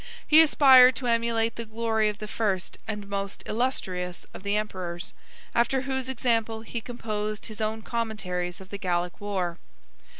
He aspired to emulate the glory of the first and most illustrious of the emperors; after whose example, he composed his own commentaries of the Gallic war.